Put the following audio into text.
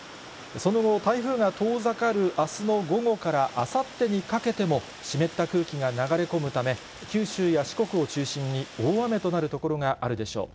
その後、台風が遠ざかるあすの午後からあさってにかけても、湿った空気が流れ込むため、九州や四国を中心に大雨となる所があるでしょう。